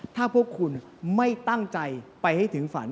ถ้าพวกคุณไม่ตั้งใจไปให้ถึงฝัน